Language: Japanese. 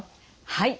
はい。